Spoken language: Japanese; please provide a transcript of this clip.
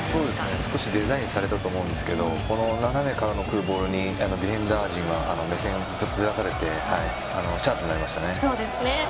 少しデザインされたと思うんですが斜めから来るボールにディフェンダー陣は目線をずらされてチャンスになりましたね。